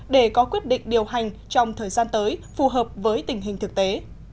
để có quyết định điều hành trong thời gian tới phù hợp với tình hình thực tế